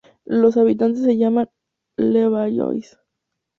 Los habitantes se llaman "Levallois".